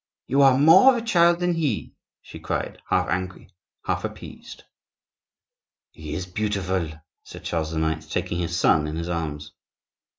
"You are more of a child than he," she cried, half angry, half appeased. "He is beautiful!" said Charles IX., taking his son in his arms.